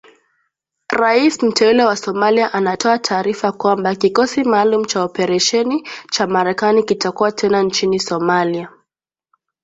Rais mteule wa Somalia anatoa taarifa kwamba kikosi maalum cha operesheni cha Marekani kitakuwa tena nchini Somalia